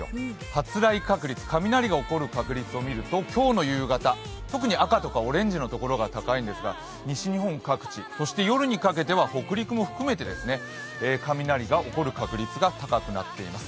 発雷確率、雷が起こる確率を見ると今日の夕方特に赤とかオレンジの所が高いんですが、西日本各地、そして夜にかけては北陸も含めて雷が起こる確率が高くなっています。